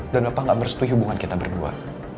dan papa gak merestui hubungan kita berdua